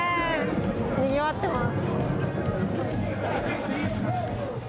にぎわってます。